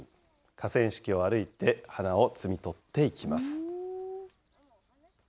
河川敷を歩いて、花を摘み取っていきます。